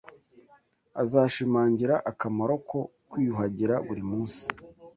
Azashimangira akamaro ko kwiyuhagira buri munsi